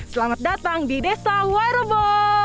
selamat datang di desa wairebo